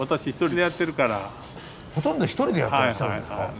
ほとんど１人でやってらっしゃるんですか？